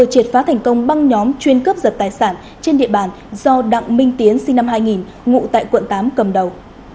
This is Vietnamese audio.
triệt phá thành công băng nhóm chuyên cướp giật tài sản trên địa bàn do đặng minh tiến sinh năm hai nghìn ngụ tại quận tám cầm đầu